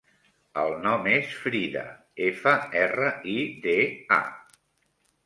El nom és Frida: efa, erra, i, de, a.